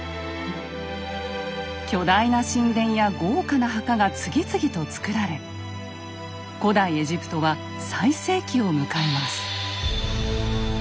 巨大な神殿や豪華な墓が次々とつくられ古代エジプトは最盛期を迎えます。